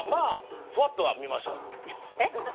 ふわっとは見ましたよ。